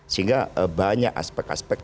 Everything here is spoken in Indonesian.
sehingga banyak aspek aspek